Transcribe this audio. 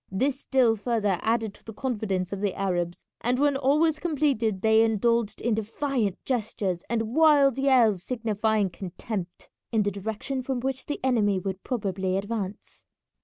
This still further added to the confidence of the Arabs, and when all was completed they indulged in defiant gestures and wild yells signifying contempt, in the direction from which the enemy would probably advance.